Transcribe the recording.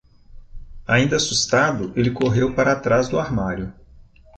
Ainda assustado, ele correu para atrás do armário.